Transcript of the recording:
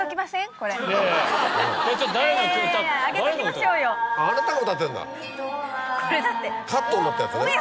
これだって。